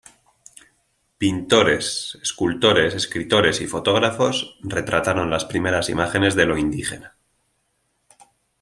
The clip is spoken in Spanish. Pintores, escultores, escritores y fotógrafos retrataron las primeras imágenes de lo indígena.